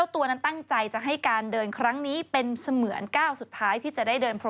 ต้องกินฟังอัดเม็ดเหมือนกัน